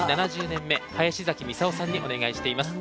７０年目林崎操さんにお願いしています。